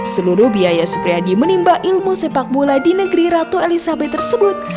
seluruh biaya supriyadi menimba ilmu sepak bola di negeri ratu elizabeth tersebut